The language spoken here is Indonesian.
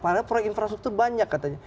padahal proyek infrastruktur banyak katanya